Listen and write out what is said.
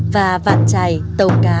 và vạn trài tàu cá